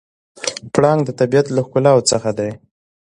پړانګ د طبیعت له ښکلاوو څخه دی.